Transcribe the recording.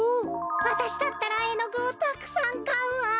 わたしだったらえのぐをたくさんかうわ！